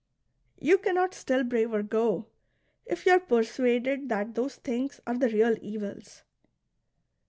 You cannot " still braver go," if you are persuaded that those things are the real evils.